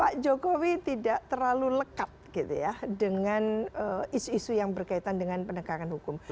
pak jokowi tidak terlalu lekat gitu ya dengan isu isu yang berkaitan dengan penegakan hukum